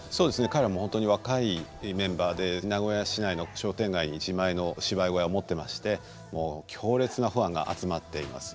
彼らはホントに若いメンバーで名古屋市内の商店街に自前の芝居小屋持ってましてもう強烈なファンが集まっています。